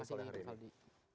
terima kasih pak aldi